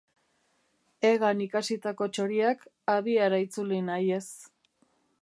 Hegan ikasitako txoriak habiara itzuli nahi ez.